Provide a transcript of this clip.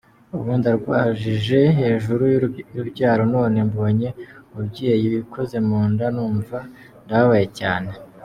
Ubu ndarwajije hejuru y’urubyaro none mbonye umubyeyi wikoze mu nda numva ndababaye cyane.